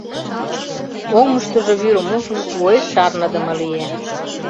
Оҥыштыжо вӱрым ужын, уэш шарныдыме лие.